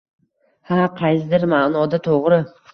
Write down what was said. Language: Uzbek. — Ha, qaysidir ma’noda to‘g‘ri.